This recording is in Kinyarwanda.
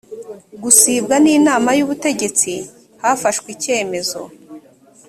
gusibwa n inama y ubutegetsi hafashwe icyemezo